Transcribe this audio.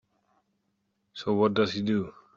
So what does he do?